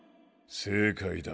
正解だ。